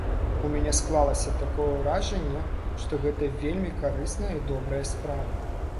У мяне склалася такое ўражанне, што гэта вельмі карысная і добрая справа.